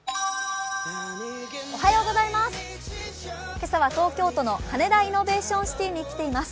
今朝は東京都の羽田イノベーションシティに来ています。